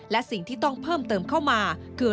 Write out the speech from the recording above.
และสิ่งที่ต้องเพิ่มเติมเข้ามาคือ